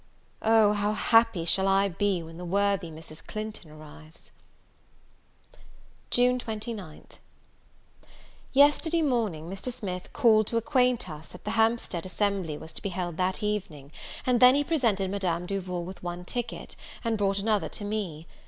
O how happy shall I be, when the worthy Mrs. Clinton arrives! June 29th. Yesterday morning, Mr. Smith called to acquaint us that the Hampstead assembly was to be held that evening; and then he presented Madame Duval with one ticket, and brought another to me.